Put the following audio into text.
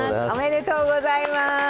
おめでとうございます。